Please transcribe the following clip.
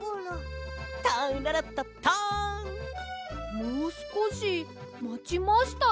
もうすこしまちましたよ！